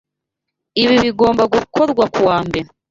Ibi bigomba gukorwa kuwa mbere.